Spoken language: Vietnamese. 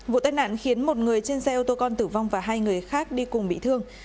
vụ tai nạn khiến một người trên xe ô tô con tử vong và hai người khác đi cùng bị thương